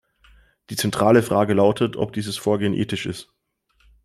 Die zentrale Frage lautet, ob dieses Vorgehen ethisch ist.